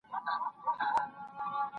ليکل د زده کوونکي له خوا کيږي.